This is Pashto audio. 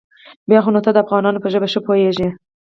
بيا خو نو ته د افغانانو په ژبه ښه پوېېږې.